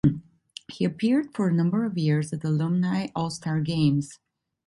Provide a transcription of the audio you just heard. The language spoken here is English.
He appeared for a number of years at alumni all-star games.